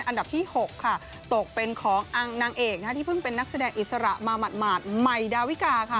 อันดับที่๖ค่ะตกเป็นของนางเอกที่เพิ่งเป็นนักแสดงอิสระมาหมาดใหม่ดาวิกาค่ะ